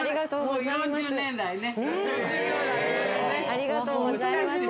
ありがとうございます。